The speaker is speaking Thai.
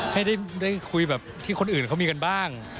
ให้ได้คุยแบบที่คนอื่นเขามีกันบ้าง